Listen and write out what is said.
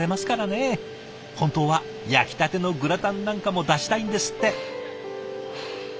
本当は焼きたてのグラタンなんかも出したいんですって。